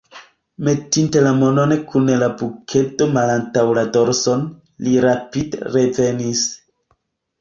Metinte la manon kun la bukedo malantaŭ la dorson, li rapide revenis.